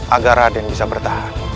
agar raden bisa bertahan